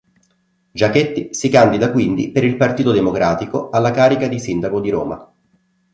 Giachetti si candida quindi per il Partito Democratico alla carica di Sindaco di Roma.